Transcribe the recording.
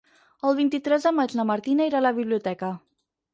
El vint-i-tres de maig na Martina irà a la biblioteca.